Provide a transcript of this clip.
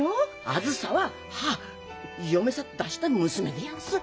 あづさははあ嫁さ出した娘でやんす。